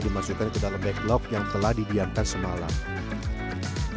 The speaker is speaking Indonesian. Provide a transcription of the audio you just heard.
dimasukkan ke dalam backlog yang telah diantar semalam pecah plastiknya pecah dan ini sudah